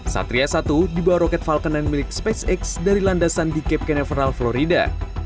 satria satu dibawa roket falcon sembilan milik spacex dari landasan di cape canaveral florida